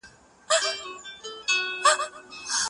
که عادت جوړ شي یاد ښه کېږي.